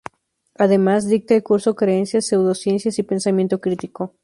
Además, dicta el curso "Creencias, Pseudociencias y Pensamiento Crítico".